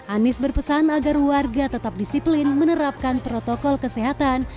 anies berpesan agar warga tetap disiplin menerapkan protokol kesehatan